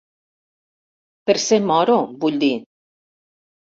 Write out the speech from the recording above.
Per ser moro, vull dir.